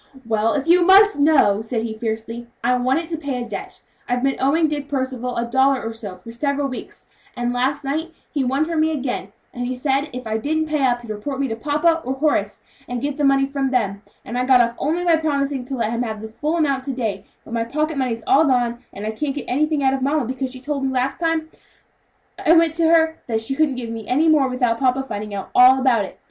"Well, if you must know," said he, fiercely, "I want it to pay a debt; I've been owing Dick Percival a dollar or so for several weeks, and last night he won from me again, and he said if I didn't pay up he'd report me to papa, or Horace, and get the money from them; and I got off only by promising to let him have the full amount to day; but my pocket money's all gone, and I can't get anything out of mamma, because she told me the last time I went to her, that she couldn't give me any more without papa finding out all about it.